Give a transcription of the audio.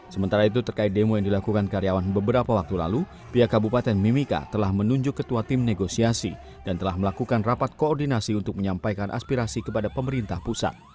sementara itu terkait demo yang dilakukan karyawan beberapa waktu lalu pihak kabupaten mimika telah menunjuk ketua tim negosiasi dan telah melakukan rapat koordinasi untuk menyampaikan aspirasi kepada pemerintah pusat